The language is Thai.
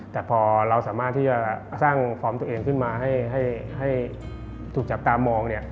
แต่พอเราสามารถที่จะสร้างฟอร์มตัวเองขึ้นมาให้ถูกจับตามอง